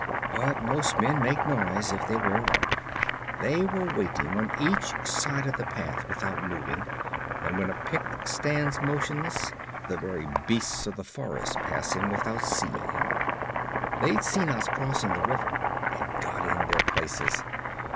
But most men make noise if they wear armor. They were waiting on each side of the path, without moving. And when a Pict stands motionless, the very beasts of the forest pass him without seeing him. They'd seen us crossing the river and got in their places.